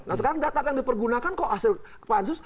nah sekarang data yang dipergunakan kok hasil pansus